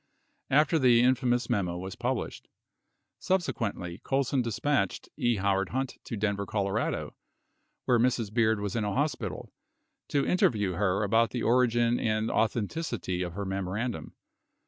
after the infamous memo was published . 61 Subsequently, Colson dispatched E. Howard Hunt to Denver, Colo., where Mrs. Beard was in a hospital, to interview her about the origin and authenticity of her memorandum